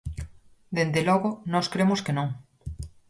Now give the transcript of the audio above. Dende logo, nós cremos que non.